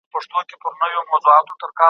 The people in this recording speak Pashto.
د ده عمل د بې قانونۍ پايله وه.